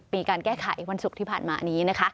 มีการแก้ไขวันศุกร์ที่ผ่านมานี้นะคะ